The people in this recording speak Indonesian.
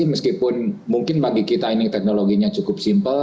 meskipun mungkin bagi kita ini teknologinya cukup simpel